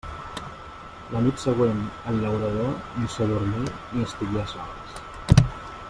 La nit següent el llaurador ni s'adormí ni estigué a soles.